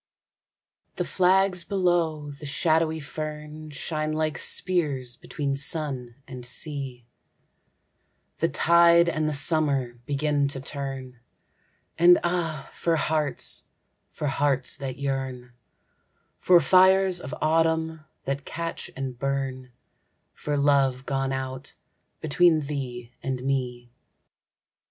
THE flags below the shadowy fern Shine like spears between sun and sea, The tide and the summer begin to turn, And ah, for hearts, for hearts that yearn, For fires of autumn that catch and burn, For love gone out between thee and me.